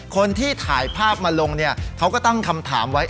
คนที่ถ่ายภาพมาลงเนี่ยเขาก็ตั้งคำถามไว้